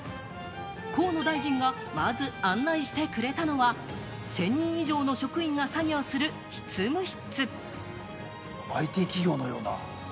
河野大臣がまず案内してくれたのは、１０００人以上の職員が作業する執務室。